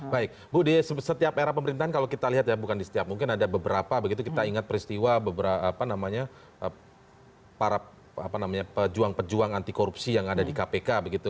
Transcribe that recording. baik bu di setiap era pemerintahan kalau kita lihat ya bukan di setiap mungkin ada beberapa begitu kita ingat peristiwa beberapa namanya para pejuang pejuang anti korupsi yang ada di kpk begitu